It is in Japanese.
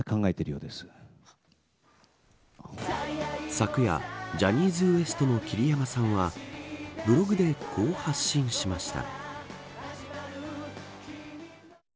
昨夜、ジャニーズＷＥＳＴの桐山さんはブログでこう発信しました。